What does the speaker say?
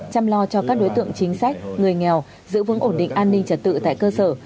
chăm lo cho các đối tượng chính sách người nghèo giữ vững ổn định an ninh trật tự tại cơ sở